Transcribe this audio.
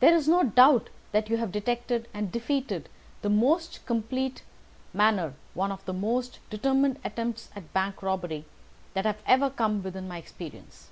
There is no doubt that you have detected and defeated in the most complete manner one of the most determined attempts at bank robbery that have ever come within my experience."